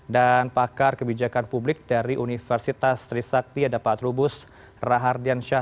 dan pakar kebijakan publik dari universitas trisakti ada pak trubus rahardiansyah